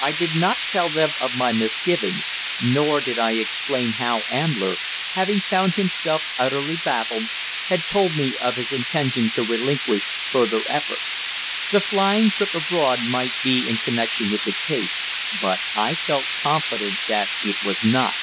I did not tell them of my misgivings, nor did I explain how Ambler, having found himself utterly baffled, had told me of his intention to relinquish further effort. The flying trip abroad might be in connection with the case, but I felt confident that it was not.